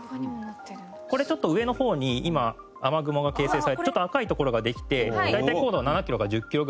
これちょっと上の方に今雨雲が形成されちょっと赤い所ができて大体高度は７キロから１０キロぐらい。